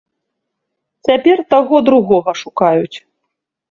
Цяпер таго другога шукаюць.